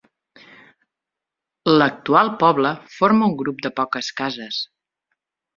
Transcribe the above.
L'actual poble forma un grup de poques cases.